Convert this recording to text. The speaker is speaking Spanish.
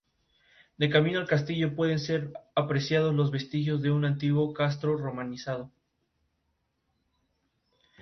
La justicia penal por su parte declaró la prescripción de los delitos.